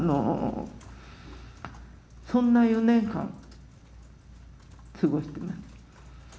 そんな４年間を過ごしてます。